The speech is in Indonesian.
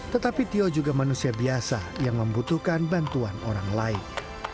tetapi tio juga manusia biasa yang membutuhkan bantuan orang lain